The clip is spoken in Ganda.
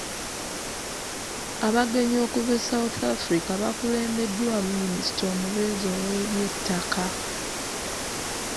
Abagenyi okuva e South Africa baakulembeddwamu Minisita omubeezi ow'eby'ettaka.